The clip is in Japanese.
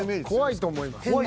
怖いと思います。